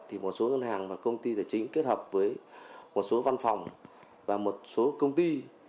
thì một số ngân hàng và công ty tài chính kết hợp với một số văn phòng và một số công ty